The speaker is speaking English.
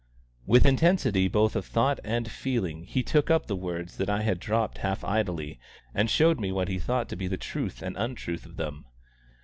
With intensity both of thought and feeling he took up the words that I had dropped half idly, and showed me what he thought to be the truth and untruth of them.